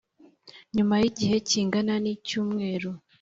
nyuma y’igihe kingana n’icyumweru